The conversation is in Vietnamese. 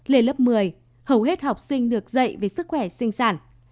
lên lớp một mươi hầu hết học sinh được dạy về sức khỏe sinh sản